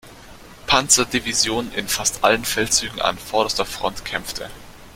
Panzer-Division in fast allen Feldzügen an vorderster Front kämpfte.